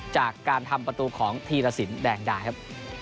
จากการทำประตูของธีรสินแดงดาครับ